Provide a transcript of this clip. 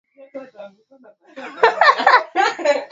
Na kundi lake ambalo alilianzisha akiwa na marafiki wawili